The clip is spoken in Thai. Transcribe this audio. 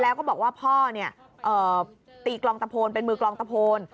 แล้วก็บอกว่าพ่อตีกลองตะโพนเป็นมือกลองตะโพน